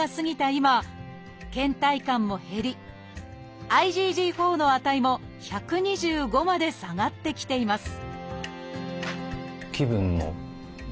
今けん怠感も減りＩｇＧ４の値も１２５まで下がってきています